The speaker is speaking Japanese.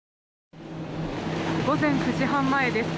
午前９時半前です。